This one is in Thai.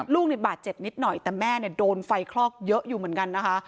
ลูกบาดเจ็บนิดหน่อยแต่แม่โดนไฟคลอกเยอะอยู่เหมือนกันนะคะ